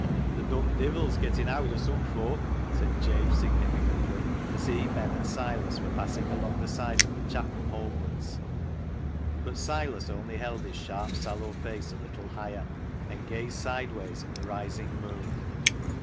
" Th' dumb divil's getten howd of sum folk," said Jabe significantly, as he, Ben, and Silas were passing along the side of the chapel home wards. But Silas only held his sharp, sallow face a little higher, and gazed sideways at the rising moon.